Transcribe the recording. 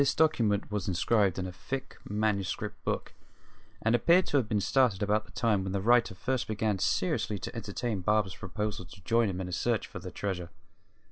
This document was inscribed in a thick manuscript book, and appeared to have been started about the time when the writer first began seriously to entertain Barber's proposal to join him in a search for the treasure.